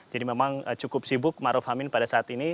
jadi memang cukup sibuk ma'ruf amin pada saat ini